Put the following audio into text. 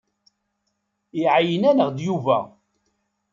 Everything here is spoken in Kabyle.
Iɛeyyen-aneɣ-d Yuba.